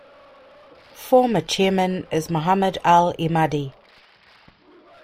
Former Chairman is Mohammed Al Emadi.